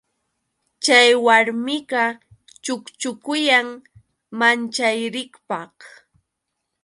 Chay warmiqa chukchukuyan manchariypaq.